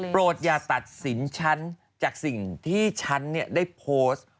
อย่าตัดสินฉันจากสิ่งที่ฉันได้โพสต์